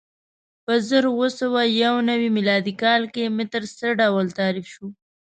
په زر اووه سوه یو نوې میلادي کال کې متر څه ډول تعریف شو؟